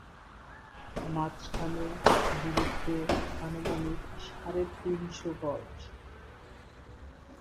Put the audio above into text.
মাঝখানে দূরত্ব আনুমানিক সাড়ে তিন শ গজ।